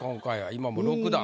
今もう６段。